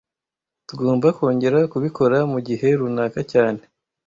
Tugomba kongera kubikora mugihe runaka cyane